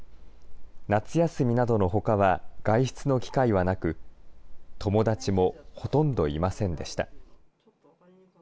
夏休みなどのほかは、外出の機会はなく、友達もほとんどいませんでした。